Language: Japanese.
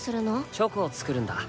チョコを作るんだ。